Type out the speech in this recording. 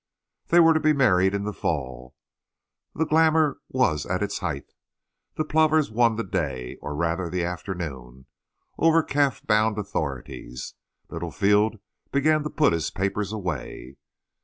They were to be married in the fall. The glamour was at its height. The plovers won the day—or, rather, the afternoon—over the calf bound authorities. Littlefield began to put his papers away.